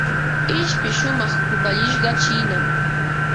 Ishpi shumaq pukallishqa chiinam.